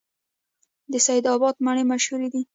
د سید اباد مڼې مشهورې دي